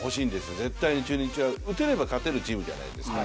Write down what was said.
絶対に中日は、打てれば勝てるチームじゃないですか。